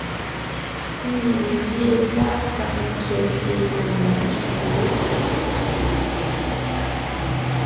Ńne ńdíe páʼ kàŋ kyɛte na metÿǒ,